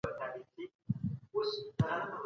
مثبت فکر د انسان ژوند روښانه کوي.